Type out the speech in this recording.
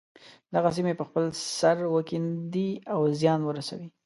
دغه سیمې په خپل سر وکیندي او زیان ورسوي.